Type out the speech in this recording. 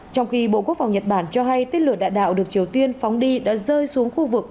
trong khi bộ quốc phòng nhật bản cho hay tên lửa đạn đạo được triều tiên phóng đi đã rơi xuống khu vực